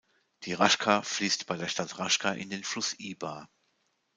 Die Raška fließt bei der Stadt Raška in den Fluss Ibar.